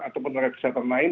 atau tenaga kesehatan lain